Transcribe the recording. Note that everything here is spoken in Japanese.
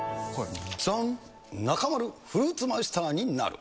ざん、中丸、フルーツマイスターになる。